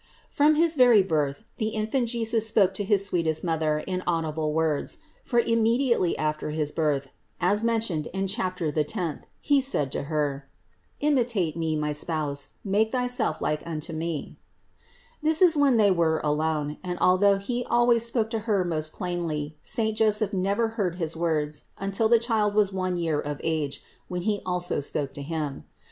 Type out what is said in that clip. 577. From his very Birth the infant Jesus spoke to his sweetest Mother in audible words; for immediately after his Birth (as mentioned in chapter the tenth), He said to Her : "Imitate Me, my Spouse, make thyself like unto Me/' This was when They were alone, and al though He always spoke to Her most plainly, saint Joseph never heard his words until the Child was one year of age, when He also spoke to him.